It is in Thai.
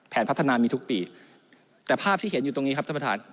พัฒนามีทุกปีแต่ภาพที่เห็นอยู่ตรงนี้ครับท่านประธาน